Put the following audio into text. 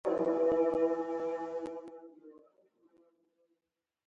دا د لیاقت او پوهې له مخې اخلي.